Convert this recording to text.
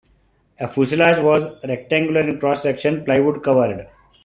A fuselage was rectangular in cross-section, plywood covered.